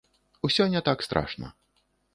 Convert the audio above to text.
Усё не так страшна.